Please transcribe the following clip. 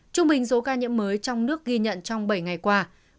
trung bình số ca nhiễm mới trong nước ghi nhận trong bảy ngày qua